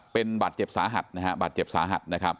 เป็นบาทเจ็บสาหัสนะฮะ